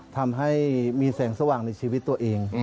ทำให้มีแสงสว่างในชีวิตตัวเอง